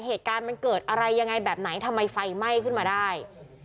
เหตุการณ์มันเกิดอะไรยังไงแบบไหนทำไมไฟไหม้ขึ้นมาได้